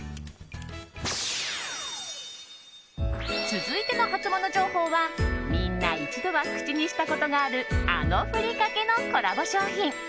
続いてのハツモノ情報はみんな一度は口にしたことがあるあのふりかけのコラボ商品。